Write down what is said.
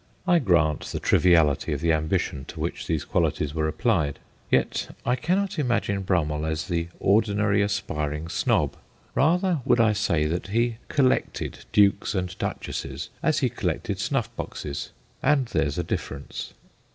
I grant the triviality of the ambition to which these qualities were applied. Yet I cannot imagine Brummell as the ordinary aspiring snob, rather would I say that he collected dukes and duchesses as he collected snuff boxes and there 's a difference.